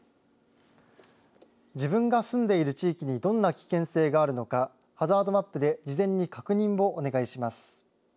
自分が住んでいる地域にどんな危険性があるのかハザードマップで事前に確認をお願いします。